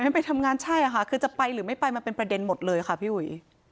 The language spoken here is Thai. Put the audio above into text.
ไม่ไปทำงานใช่ค่ะคือจะไปหรือไม่ไปมันเป็นประเด็นหมดเลยค่ะพี่อุ๋ย